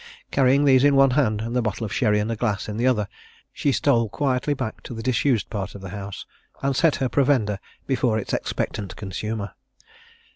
Carrying these in one hand, and the bottle of sherry and a glass in the other, she stole quietly back to the disused part of the house, and set her provender before its expectant consumer.